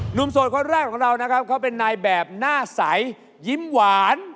โสดคนแรกของเรานะครับเขาเป็นนายแบบหน้าใสยิ้มหวาน